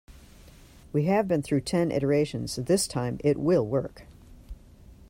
We have been through ten iterations, this time it will work!.